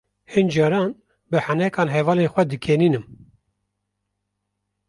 Hin caran bi henekan hevalên xwe dikenînim.